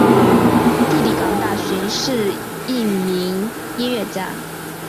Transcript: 弟弟港大寻是一名音乐家。